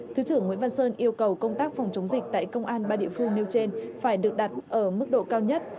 thứ trưởng nguyễn văn sơn yêu cầu công tác phòng chống dịch tại công an ba địa phương nêu trên phải được đặt ở mức độ cao nhất